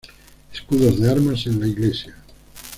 Escudos de armas en la iglesia